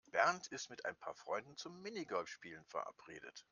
Bernd ist mit ein paar Freunden zum Minigolfspielen verabredet.